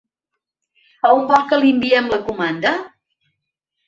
A on vol que li enviem la comanda?